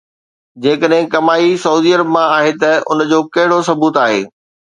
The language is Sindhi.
جيڪڏهن ڪمائي سعودي عرب مان آهي ته ان جو ڪهڙو ثبوت آهي؟